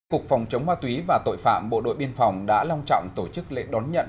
cục phòng chống ma túy và tội phạm bộ đội biên phòng đã long trọng tổ chức lễ đón nhận